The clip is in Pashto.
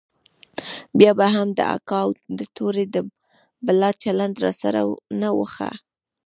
بيا به هم د اکا او د تورې بلا چلند راسره نه و ښه.